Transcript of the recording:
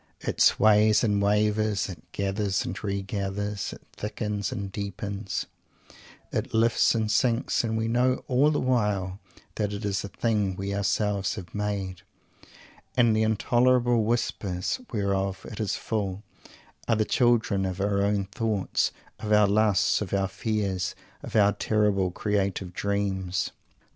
It sways and wavers, it gathers and re gathers, it thickens and deepens, it lifts and sinks, and we know all the while that it is the Thing we ourselves have made, and the intolerable whispers whereof it is full are the children of our own thoughts, of our lusts, of our fears, of our terrible creative dreams.